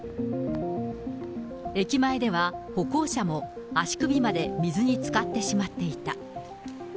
駅前では歩行者も足首まで水につかってしまっていた。